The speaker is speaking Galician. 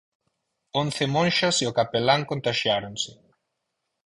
Once monxas e o capelán contaxiáronse.